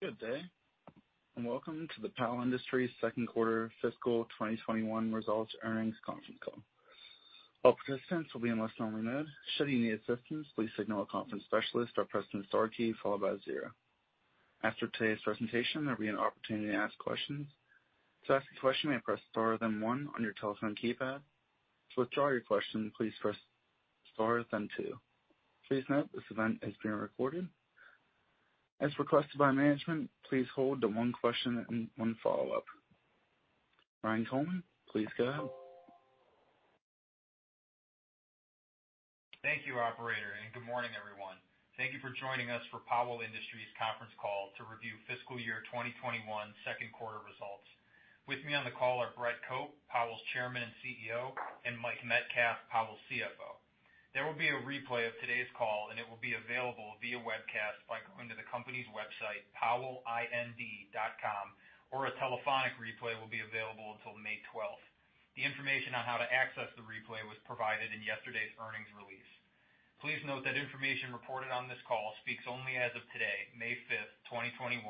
Good day and welcome to the Powell Industries Q2 Fiscal 2021 Results Earnings Conference Call. All participants will be in listen-only mode. Should you need assistance, please signal a conference specialist or press the star key followed by zero. After today's presentation, there will be an opportunity to ask questions. To ask a question, you may press star then one on your telephone keypad. To withdraw your question, please press star then two. Please note this event is being recorded. As requested by management, please hold to one question and one follow-up. Ryan Coleman, please go ahead. Thank you, Operator, and good morning, everyone. Thank you for joining us for Powell Industries Conference Call to review Fiscal Year 2021 Q2 Results. With me on the call are Brett Cope, Powell's Chairman and CEO, and Mike Metcalf, Powell's CFO. There will be a replay of today's call, and it will be available via webcast by going to the company's website, powellind.com, or a telephonic replay will be available until May 12. The information on how to access the replay was provided in yesterday's earnings release. Please note that information reported on this call speaks only as of today, May 5, 2021,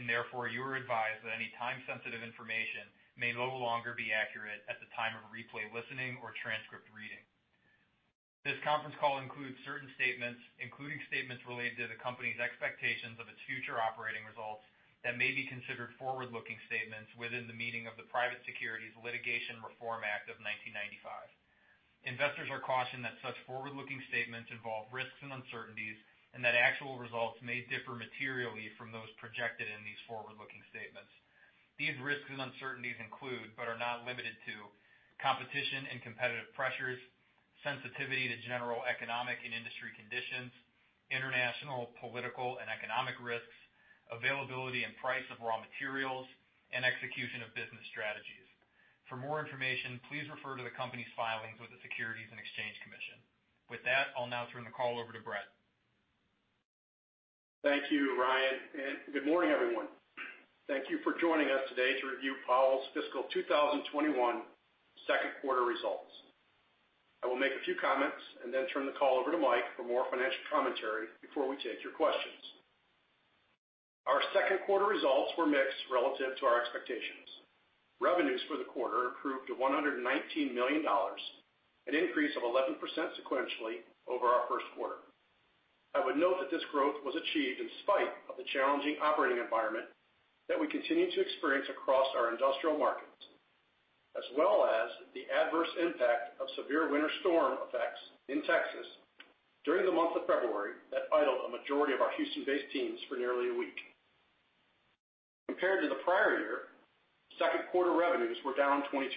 and therefore you are advised that any time-sensitive information may no longer be accurate at the time of replay listening or transcript reading. This conference call includes certain statements, including statements related to the company's expectations of its future operating results that may be considered forward-looking statements within the meaning of the Private Securities Litigation Reform Act of 1995. Investors are cautioned that such forward-looking statements involve risks and uncertainties and that actual results may differ materially from those projected in these forward-looking statements. These risks and uncertainties include, but are not limited to, competition and competitive pressures, sensitivity to general economic and industry conditions, international, political, and economic risks, availability and price of raw materials, and execution of business strategies. For more information, please refer to the company's filings with the Securities and Exchange Commission. With that, I'll now turn the call over to Brett. Thank you, Ryan, and good morning, everyone. Thank you for joining us today to review Powell's Fiscal 2021 Q2 Results. I will make a few comments and then turn the call over to Mike for more financial commentary before we take your questions. Our Q2 Results were mixed relative to our expectations. Revenues for the quarter improved to $119 million, an increase of 11% sequentially over our Q1. I would note that this growth was achieved in spite of the challenging operating environment that we continue to experience across our industrial markets, as well as the adverse impact of severe winter storm effects in Texas during the month of February that idled a majority of our Houston-based teams for nearly a week. Compared to the prior year, Q2 revenues were down 22%,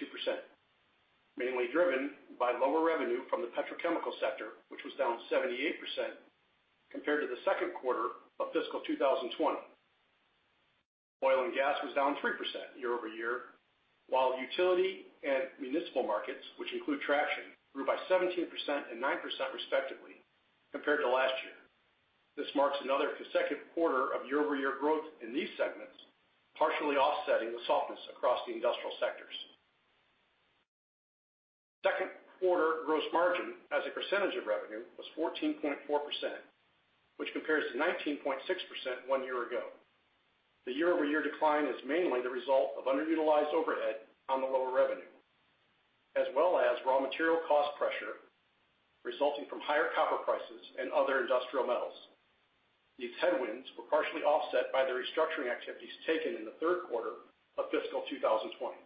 mainly driven by lower revenue from the petrochemical sector, which was down 78% compared to the second quarter of Fiscal 2020. Oil and gas was down 3% year over year, while utility and municipal markets, which include traction, grew by 17% and 9% respectively compared to last year. This marks another consecutive quarter of year-over-year growth in these segments, partially offsetting the softness across the industrial sectors. Q2 gross margin as a percentage of revenue was 14.4%, which compares to 19.6% one year ago. The year-over-year decline is mainly the result of underutilized overhead on the lower revenue, as well as raw material cost pressure resulting from higher copper prices and other industrial metals. These headwinds were partially offset by the restructuring activities taken in Q3 of Fiscal 2020.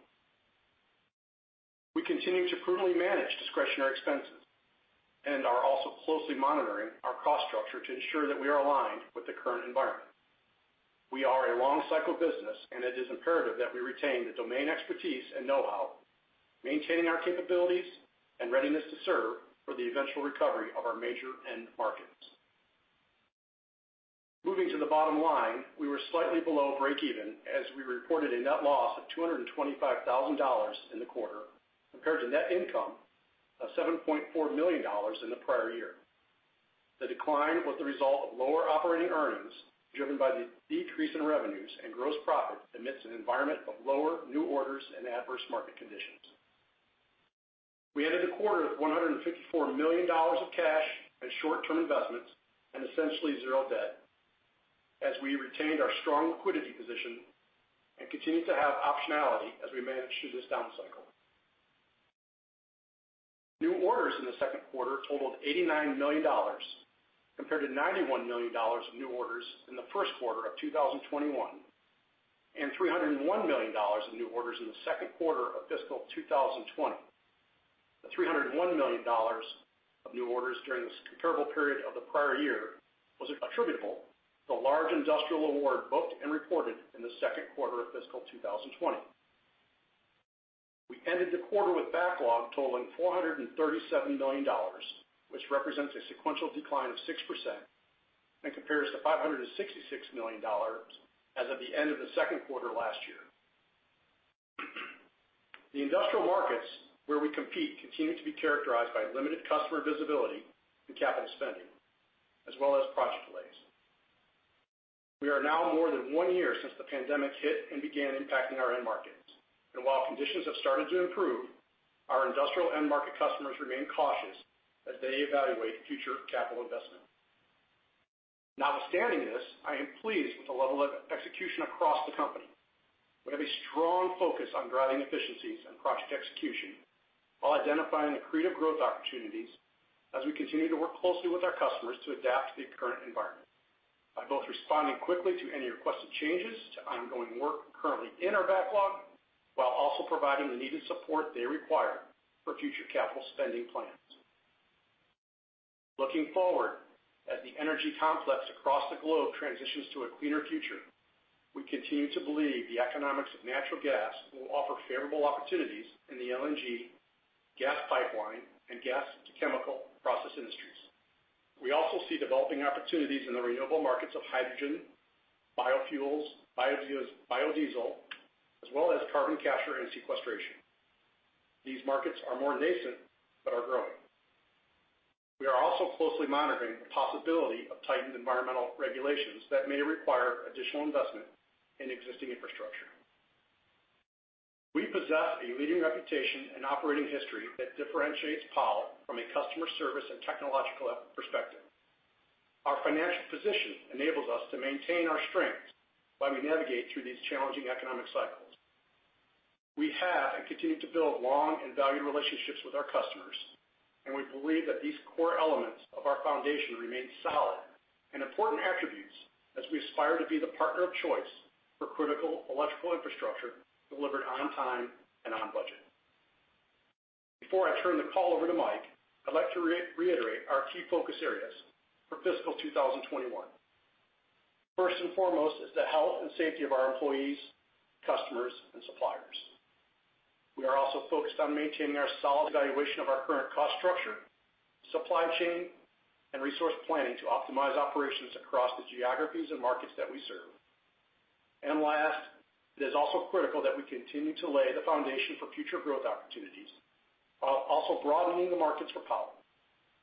We continue to prudently manage discretionary expenses and are also closely monitoring our cost structure to ensure that we are aligned with the current environment. We are a long-cycle business, and it is imperative that we retain the domain expertise and know-how, maintaining our capabilities and readiness to serve for the eventual recovery of our major end markets. Moving to the bottom line, we were slightly below break-even as we reported a net loss of $225,000 in the quarter compared to net income of $7.4 million in the prior year. The decline was the result of lower operating earnings driven by the decrease in revenues and gross profit amidst an environment of lower new orders and adverse market conditions. We ended the quarter with $154 million of cash and short-term investments and essentially zero debt as we retained our strong liquidity position and continued to have optionality as we managed through this down cycle. New orders in Q2 totaled $89 compared to 91 million of new orders in Q1 of 2021 and $301 million of new orders in Q2 of Fiscal 2020. The $301 million of new orders during this comparable period of the prior year was attributable to a large industrial award booked and reported in Q2 of Fiscal 2020. We ended the quarter with backlog totaling $437 million, which represents a sequential decline of 6% and compares to $566 million as of the end of Q2 last year. The industrial markets where we compete continue to be characterized by limited customer visibility and capital spending, as well as project delays. We are now more than one year since the pandemic hit and began impacting our end markets, and while conditions have started to improve, our industrial end market customers remain cautious as they evaluate future capital investment. Not withstanding this, I am pleased with the level of execution across the company. We have a strong focus on driving efficiencies and project execution while identifying the creative growth opportunities as we continue to work closely with our customers to adapt to the current environment by both responding quickly to any requested changes to ongoing work currently in our backlog while also providing the needed support they require for future capital spending plans. Looking forward, as the energy complex across the globe transitions to a cleaner future, we continue to believe the economics of natural gas will offer favorable opportunities in the LNG gas pipeline and gas-to-chemical process industries. We also see developing opportunities in the renewable markets of hydrogen, biofuels, biodiesel, as well as carbon capture and sequestration. These markets are more nascent but are growing. We are also closely monitoring the possibility of tightened environmental regulations that may require additional investment in existing infrastructure. We possess a leading reputation and operating history that differentiates Powell from a customer service and technological perspective. Our financial position enables us to maintain our strengths while we navigate through these challenging economic cycles. We have and continue to build long and valued relationships with our customers, and we believe that these core elements of our foundation remain solid and important attributes as we aspire to be the partner of choice for critical electrical infrastructure delivered on time and on budget. Before I turn the call over to Mike, I'd like to reiterate our key focus areas for Fiscal 2021. First and foremost is the health and safety of our employees, customers, and suppliers. We are also focused on maintaining our solid evaluation of our current cost structure, supply chain, and resource planning to optimize operations across the geographies and markets that we serve, and last, it is also critical that we continue to lay the foundation for future growth opportunities, while also broadening the markets for power.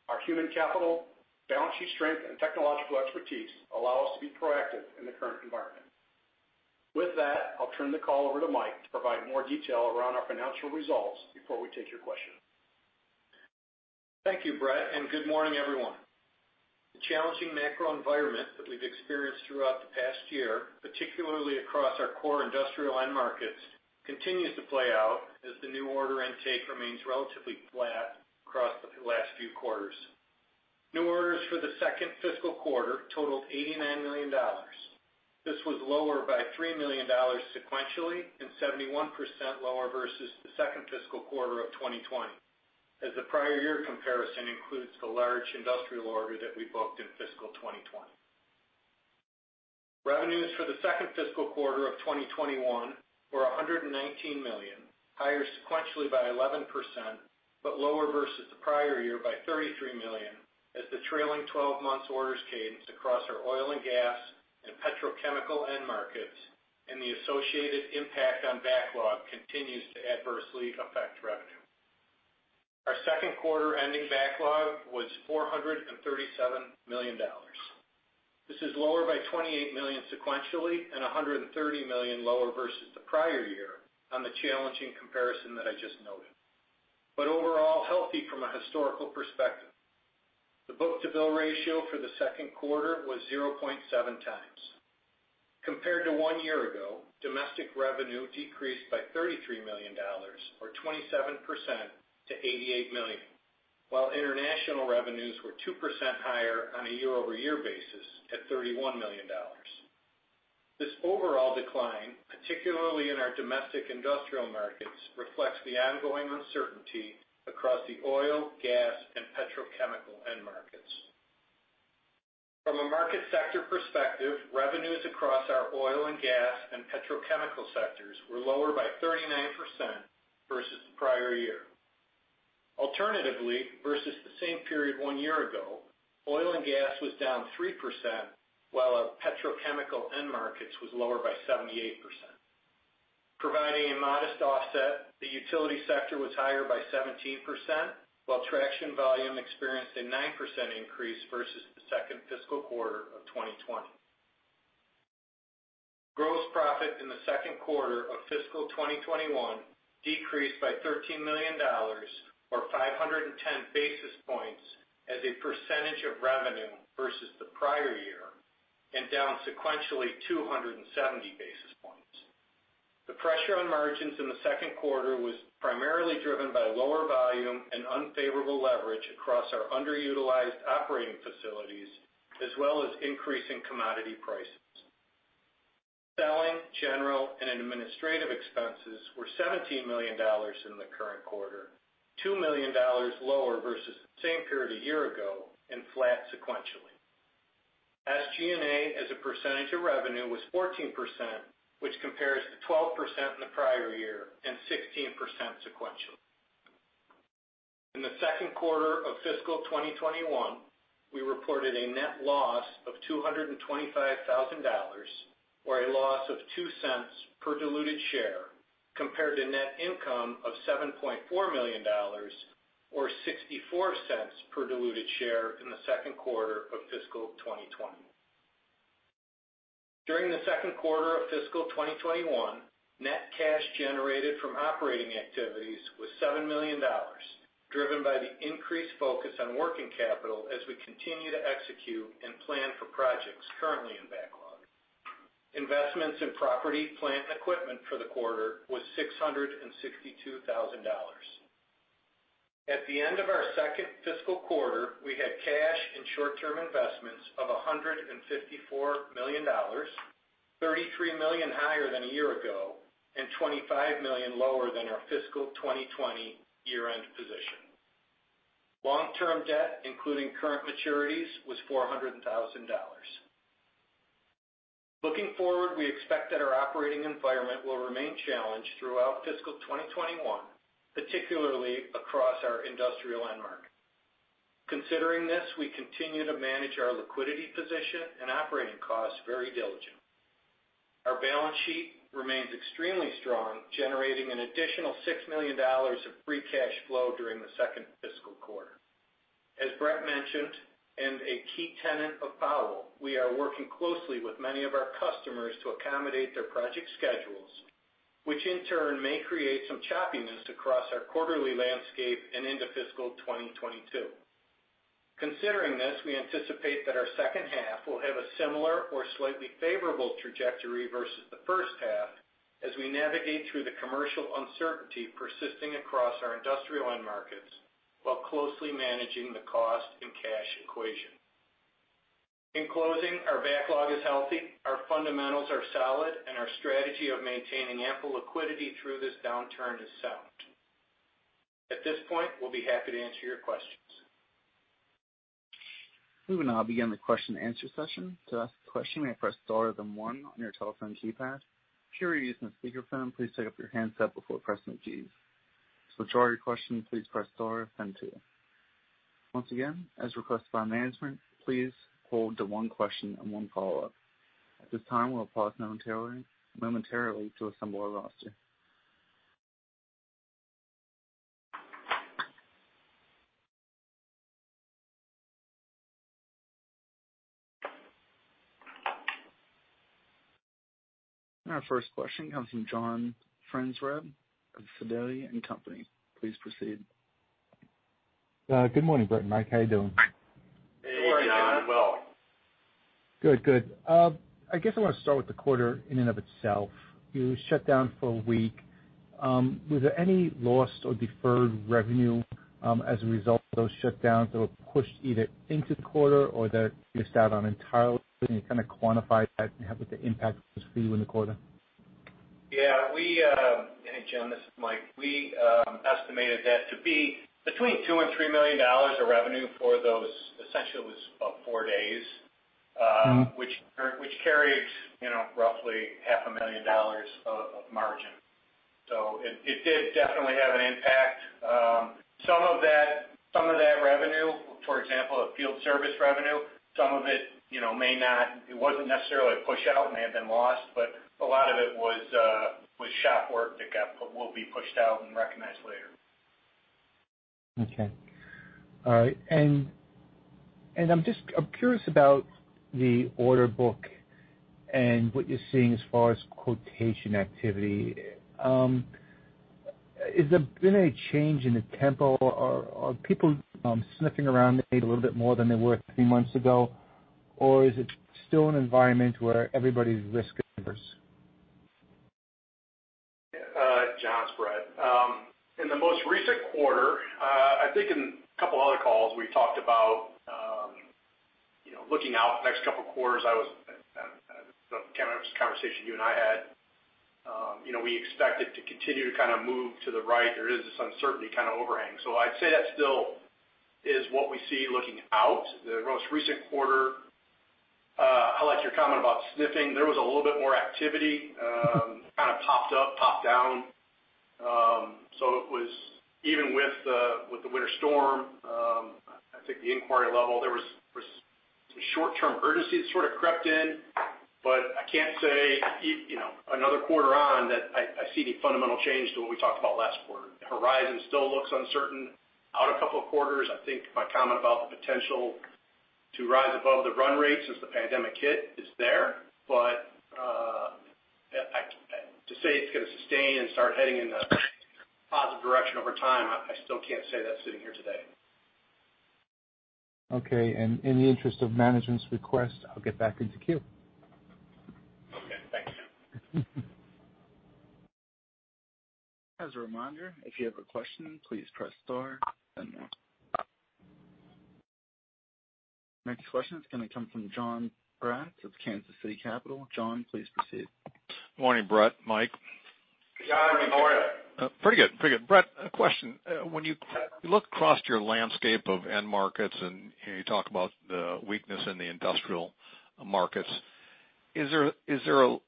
Our human capital, balance sheet strength, and technological expertise allow us to be proactive in the current environment. With that, I'll turn the call over to Mike to provide more detail around our financial results before we take your questions. Thank you, Brett, and good morning, everyone. The challenging macro environment that we've experienced throughout the past year, particularly across our core industrial end markets, continues to play out as the new order intake remains relatively flat across the last few quarters. New orders for fiscal Q2 totaled $89 million. This was lower by $3 million sequentially and 71% lower versus fiscal Q2 of 2020, as the prior year comparison includes the large industrial order that we booked in Fiscal 2020. Revenues for fiscal Q2 of 2021 were $119 million, higher sequentially by 11% but lower versus the prior year by $33 million, as the trailing 12 months' orders cadence across our oil and gas and petrochemical end markets and the associated impact on backlog continues to adversely affect revenue. Our Q2 ending backlog was $437 million. This is lower by $28 sequentially and 130 million lower versus the prior year on the challenging comparison that I just noted, but overall healthy from a historical perspective. The book-to-bill ratio for the second quarter was 0.7x. Compared to one year ago, domestic revenue decreased by $33, or 27% to 88 million, while international revenues were 2% higher on a year-over-year basis at $31 million. This overall decline, particularly in our domestic industrial markets, reflects the ongoing uncertainty across the oil, gas, and petrochemical end markets. From a market sector perspective, revenues across our oil and gas and petrochemical sectors were lower by 39% versus the prior year. Alternatively, versus the same period one year ago, oil and gas was down 3%, while our petrochemical end markets was lower by 78%. Providing a modest offset, the utility sector was higher by 17%, while traction volume experienced a 9% increase versus fiscal Q2 of 2020. Gross profit in Q2 of Fiscal 2021 decreased by $13 million, or 510 basis points, as a percentage of revenue versus the prior year and down sequentially 270 basis points. The pressure on margins in Q2 was primarily driven by lower volume and unfavorable leverage across our underutilized operating facilities, as well as increasing commodity prices. Selling, general, and administrative expenses were $17 in the current quarter, 2 million lower versus the same period a year ago and flat sequentially. SG&A as a percentage of revenue was 14%, which compares to 12% in the prior year and 16% sequentially. In Q2 of Fiscal 2021, we reported a net loss of $225,000, or a loss of 0.02 per diluted share, compared to net income of $7.4 million or 0.64 per diluted share in the second quarter of Fiscal 2020. During Q2 of Fiscal 2021, net cash generated from operating activities was $7 million, driven by the increased focus on working capital as we continue to execute and plan for projects currently in backlog. Investments in property, plant, and equipment for the quarter was $662,000. At the end of our second fiscal quarter, we had cash and short-term investments of $154, 33 million higher than a year ago and $25 million lower than our Fiscal 2020 year-end position. Long-term debt, including current maturities, was $400,000. Looking forward, we expect that our operating environment will remain challenged throughout Fiscal 2021, particularly across our industrial end market. Considering this, we continue to manage our liquidity position and operating costs very diligently. Our balance sheet remains extremely strong, generating an additional $6 million of free cash flow during the second fiscal quarter. As Brett mentioned, and a key tenet of Powell, we are working closely with many of our customers to accommodate their project schedules, which in turn may create some choppiness across our quarterly landscape and into Fiscal 2022. Considering this, we anticipate that our second half will have a similar or slightly favorable trajectory versus the first half as we navigate through the commercial uncertainty persisting across our industrial end markets while closely managing the cost and cash equation. In closing, our backlog is healthy, our fundamentals are solid, and our strategy of maintaining ample liquidity through this downturn is sound. At this point, we'll be happy to answer your questions. We will now begin the question-and-answer session. To ask a question, you may press star or then one on your telephone keypad. If you're using a speakerphone, please take up your handset before pressing the keys. To withdraw your question, please press star or then two. Once again, as requested by management, please hold to one question and one follow-up. At this time, we'll pause momentarily to assemble our roster. Our first question comes from John Franzreb of Sidoti & Company. Please proceed. Good morning, Brett and Mike. How are you doing? Hey, John. Hey, John. Doing well. Good, good. I guess I want to start with the quarter in and of itself. You shut down for a week. Was there any lost or deferred revenue as a result of those shutdowns that were pushed either into the quarter or that you missed out on entirely? Can you kind of quantify that and what the impact was for you in the quarter? Yeah. Hey, John, this is Mike. We estimated that to be between $2-3 million of revenue for those essentially was about four days, which carried roughly $500,000 of margin. It did definitely have an impact. Some of that revenue, for example, of field service revenue, some of it may not, it wasn't necessarily a push-out, it may have been lost, but a lot of it was shop work that will be pushed out and recognized later. Okay. All right. And I'm curious about the order book and what you're seeing as far as quotation activity. Has there been any change in the tempo? Are people sniffing around maybe a little bit more than they were three months ago, or is it still an environment where everybody's risk averse? John this is Brett. In the most recent quarter, I think in a couple of other calls, we talked about looking out for the next couple of quarters. The conversation you and I had, we expected to continue to kind of move to the right. There is this uncertainty kind of overhang. So I'd say that still is what we see looking out. The most recent quarter, I like your comment about sniffing. There was a little bit more activity. It kind of popped up, popped down. So even with the winter storm, I think the inquiry level, there was some short-term urgency that sort of crept in, but I can't say another quarter on that I see any fundamental change to what we talked about last quarter. The horizon still looks uncertain. Out a couple of quarters, I think my comment about the potential to rise above the run rate since the pandemic hit is there, but to say it's going to sustain and start heading in a positive direction over time, I still can't say that sitting here today. Okay. And in the interest of management's request, I'll get back into queue. Okay. Thanks, John. As a reminder, if you have a question, please press star and then one. Next question is going to come from John Braatz of Kansas City Capital Associates. John, please proceed. Good morning, Brett. Mike. John, how are you? Pretty good. Pretty good. Brett, a question. When you look across your landscape of end markets and you talk about the weakness in the industrial markets, is there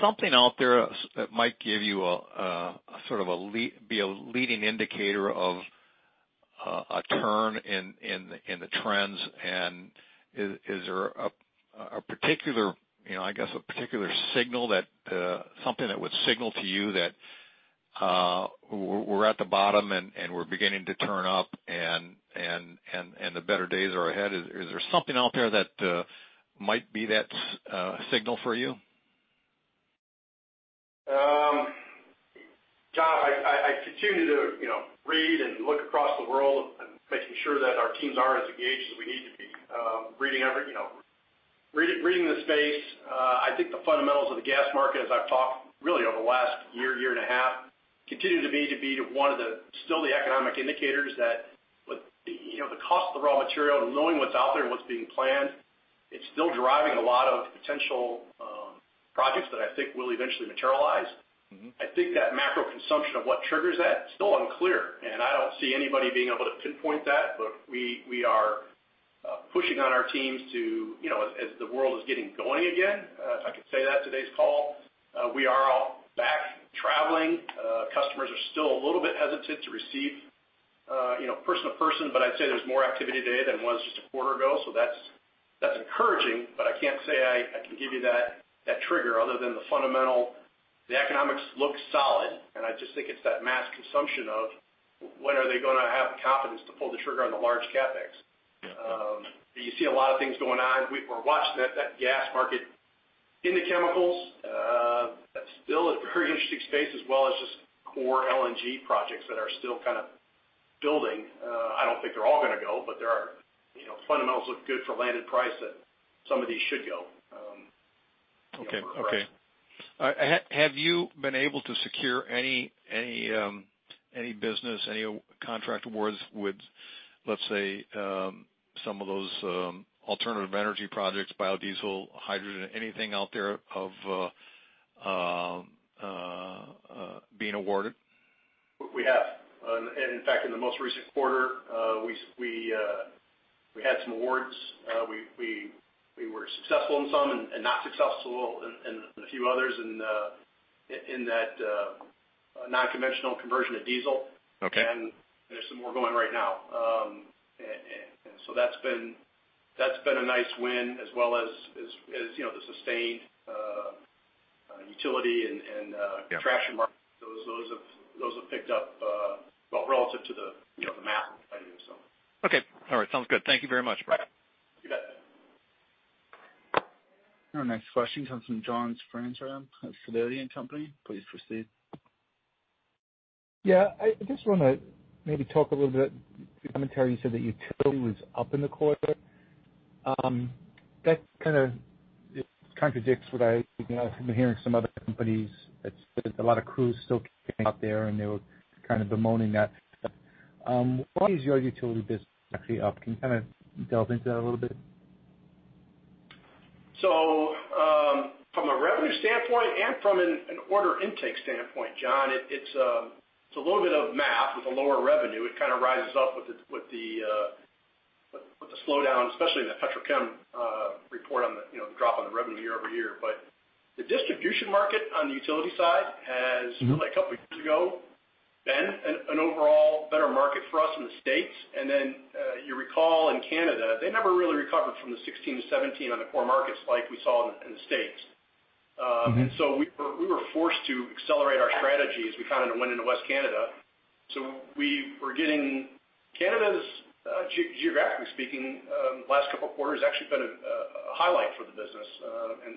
something out there that might give you a sort of a leading indicator of a turn in the trends? And is there a particular, I guess, a particular signal that something that would signal to you that we're at the bottom and we're beginning to turn up and the better days are ahead? Is there something out there that might be that signal for you? John, I continue to read and look across the world and making sure that our teams are as engaged as we need to be. Reading the space, I think the fundamentals of the gas market, as I've talked really over the last year, year and a half, continue to be one of the, still the economic indicators that the cost of the raw material and knowing what's out there and what's being planned. It's still driving a lot of potential projects that I think will eventually materialize. I think that macro consumption of what triggers that is still unclear, and I don't see anybody being able to pinpoint that, but we are pushing on our teams to, as the world is getting going again, if I could say that, today's call, we are all back traveling. Customers are still a little bit hesitant to do in-person, but I'd say there's more activity today than there was just a quarter ago, so that's encouraging, but I can't say I can give you that trigger other than the fundamentals. The economics look solid, and I just think it's that mass consumption of when are they going to have the confidence to pull the trigger on the large CapEx. You see a lot of things going on. We're watching that gas-to-chemicals. That still is a very interesting space, as well as just core LNG projects that are still kind of building. I don't think they're all going to go, but the fundamentals look good for the landed price that some of these should go. Have you been able to secure any business, any contract awards with, let's say, some of those alternative energy projects, biodiesel, hydrogen, anything out there of being awarded? We have. In fact, in the most recent quarter, we had some awards. We were successful in some and not successful in a few others in that non-conventional conversion to diesel, and there's some more going right now, and so that's been a nice win, as well as the sustained utility and traction market. Those have picked up relative to the mass of the value, so. Okay. All right. Sounds good. Thank you very much, Brett. You bet. Next question comes from John Franzreb of Sidoti & Company. Please proceed. Yeah. I just want to maybe talk a little bit about the commentary you said that utility was up in the quarter. That kind of contradicts what I've been hearing from some other companies. A lot of crews still came out there, and they were kind of bemoaning that. Why is your utility business actually up? Can you kind of delve into that a little bit? So from a revenue standpoint and from an order intake standpoint, John, it's a little bit of math. With a lower revenue, it kind of rises up with the slowdown, especially in the Petrochem report on the drop on the revenue year over year. But the distribution market on the utility side has, really, a couple of years ago, been an overall better market for us in the States. And then you recall in Canada, they never really recovered from the 2016 to 2017 on the core markets like we saw in the States. And so we were forced to accelerate our strategy as we kind of went into West Canada. So we were getting Canada's, geographically speaking, last couple of quarters actually been a highlight for the business,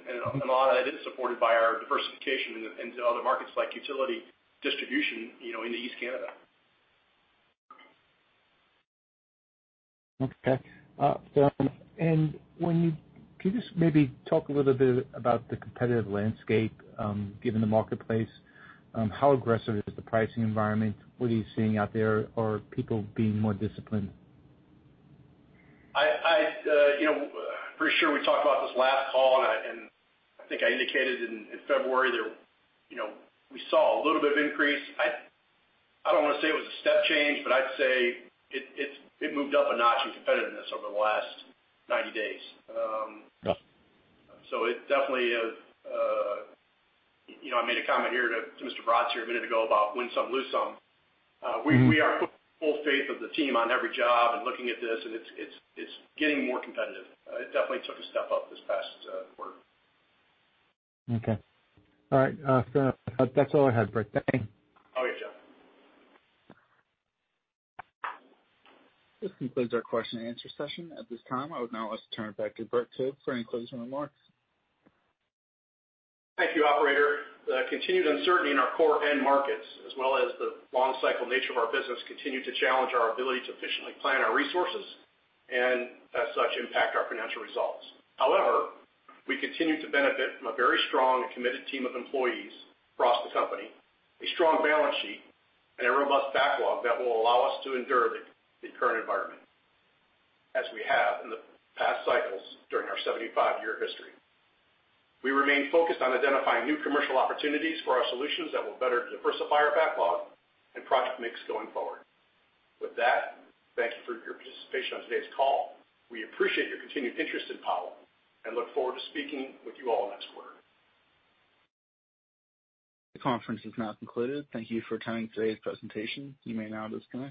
and a lot of that is supported by our diversification into other markets like utility distribution in East Canada. Okay. And can you just maybe talk a little bit about the competitive landscape given the marketplace? How aggressive is the pricing environment? What are you seeing out there? Are people being more disciplined? Pretty sure we talked about this last call, and I think I indicated in February that we saw a little bit of increase. I don't want to say it was a step change, but I'd say it moved up a notch in competitiveness over the last 90 days. So it definitely. I made a comment here to Mr. Braatz here a minute ago about win some, lose some. We have full faith in the team on every job and looking at this, and it's getting more competitive. It definitely took a step up this past quarter. Okay. All right. That's all I had, Brett. Thank you. Oh, yeah, John. This concludes our question-and-answer session. At this time, I would now like to turn it back to Brett Cope for any closing remarks. Thank you, Operator. The continued uncertainty in our core end markets, as well as the long-cycle nature of our business, continue to challenge our ability to efficiently plan our resources and, as such, impact our financial results. However, we continue to benefit from a very strong and committed team of employees across the company, a strong balance sheet, and a robust backlog that will allow us to endure the current environment, as we have in the past cycles during our 75-year history. We remain focused on identifying new commercial opportunities for our solutions that will better diversify our backlog and project mix going forward. With that, thank you for your participation on today's call. We appreciate your continued interest in Powell and look forward to speaking with you all next quarter. The conference is now concluded. Thank you for attending today's presentation. You may now disconnect.